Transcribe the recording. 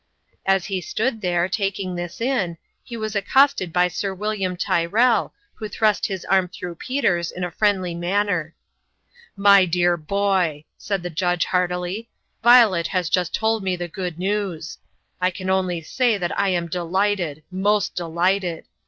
As he stood there, taking this in, he was ac costed by Sir William Tyrrell, who thrust his arm through Peter's in a friendly manner. " My dear boy," said the judge, heartily, " Yiolet has just told me the good news. I can only say that I am delighted most delighted !